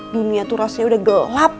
dunia tuh rasanya udah gelap